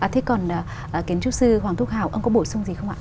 thế còn kiến trúc sư hoàng thúc hào ông có bổ sung gì không ạ